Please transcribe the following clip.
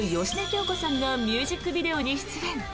京子さんがミュージックビデオに出演。